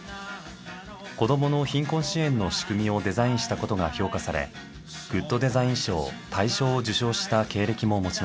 子どもの貧困支援の仕組みをデザインしたことが評価されグッドデザイン賞大賞を受賞した経歴も持ちます。